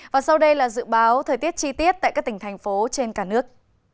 và sau đây là dự báo thời tiết chi tiết tại các tỉnh thành phố trên cả nước